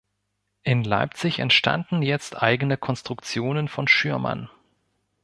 In Leipzig entstanden jetzt eigene Konstruktionen von Schürmann.